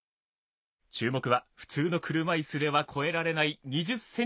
注目はふつうの車いすでは越えられない２０ｃｍの段差。